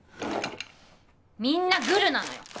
みんなグルなのよ